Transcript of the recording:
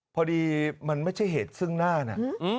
พอดีมันไม่ใช่เหตุซึ่งหน้านะ